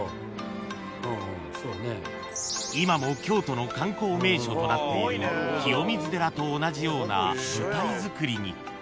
［今も京都の観光名所となっている清水寺と同じような舞台造りに］